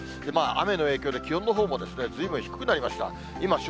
雨の影響で、気温のほうもずいぶん低くなりました。